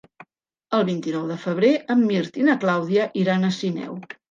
El vint-i-nou de febrer en Mirt i na Clàudia iran a Sineu.